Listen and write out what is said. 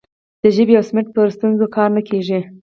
د ژبې او سمت پر ستونزو کار نه کیږي.